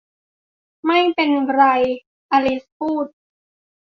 ไม่เป็นไร อลิซพูด